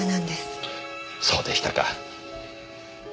そうでしたか。